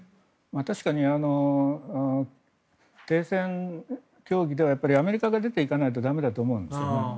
確かに、停戦協議ではアメリカが出ていかないと駄目だと思うんですね。